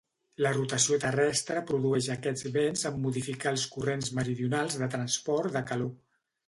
La rotació terrestre produeix aquests vents en modificar els corrents meridionals de transport de calor.